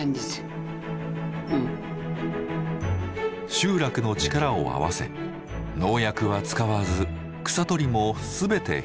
集落の力を合わせ農薬は使わず草取りも全て人の手で。